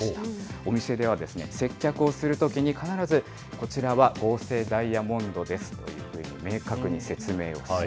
お店では、接客をするときに必ずこちらは合成ダイヤモンドですというふうに明確に説明をする。